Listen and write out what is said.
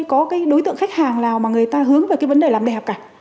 có cái đối tượng khách hàng nào mà người ta hướng về cái vấn đề làm đẹp cả